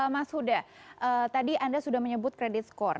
mas huda tadi anda sudah menyebut kredit skor